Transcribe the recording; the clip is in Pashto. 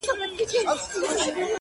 نه مي ډلي دي لیدلي دي د کارګانو -